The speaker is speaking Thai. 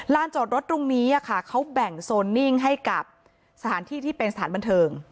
จอดรถตรงนี้เขาแบ่งโซนนิ่งให้กับสถานที่ที่เป็นสถานบันเทิง